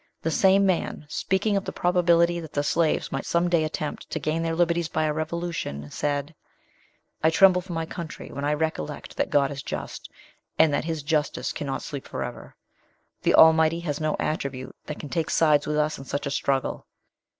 The same man, speaking of the probability that the slaves might some day attempt to gain their liberties by a revolution, said, "I tremble for my country, when I recollect that God is just, and that His justice cannot sleep for ever. The Almighty has no attribute that can take sides with us in such a struggle."